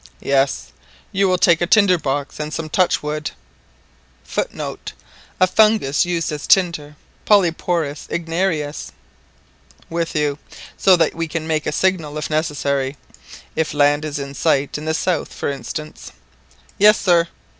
"Yes. You will take a tinder box and some touchwood [Footnote: A fungus used as tinder (Polyporous igniarius).] with you, so that we can make a signal if necessary—if land is in sight in the south, for instance" "Yes, sir."